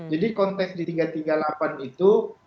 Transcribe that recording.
jadi konteks di tiga ratus tiga puluh delapan itu